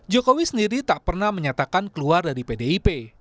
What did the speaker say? jokowi sendiri tak pernah menyatakan keluar dari pdip